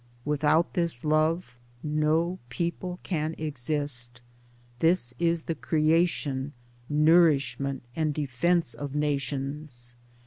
Without this love no People can exist ; this is the creation nourishment and defence of Nations.